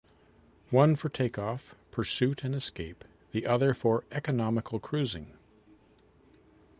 One for take off, pursuit and escape, the other for economical cruising.